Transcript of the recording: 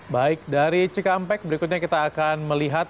baik dari cikampek berikutnya kita akan melihat